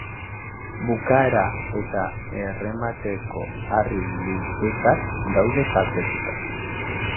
Bukaera eta erremateko harri-lubetak daude kaltetuta.